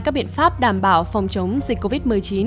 các biện pháp đảm bảo phòng chống dịch covid một mươi chín